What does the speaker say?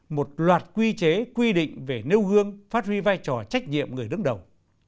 một loạt quy chế quy định về nêu gương phát huy vai trò trách nhiệm người đứng đầu